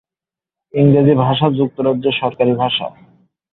ইংরেজি ভাষা যুক্তরাজ্যের সরকারি ভাষা।